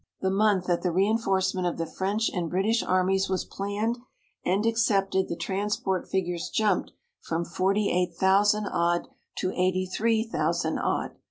The month that the reinforcement of the French and British Armies was planned and accepted the transport figures jumped from forty eight thousand odd to eighty three thousand odd.